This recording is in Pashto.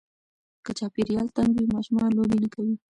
که چاپېریال تنګ وي، ماشومان لوبې نه کوي.